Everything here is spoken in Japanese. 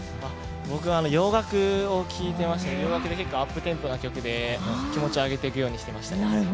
僕は洋楽を聞いていましたね、結構アップテンポな曲で気持ちを上げていくようにしていました。